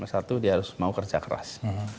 satu dia harus mau kerja keras